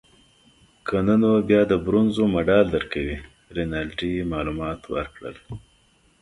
که نه نو بیا د برونزو مډال درکوي. رینالډي معلومات ورکړل.